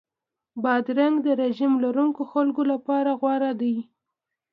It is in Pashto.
بادرنګ د رژیم لرونکو خلکو لپاره غوره دی.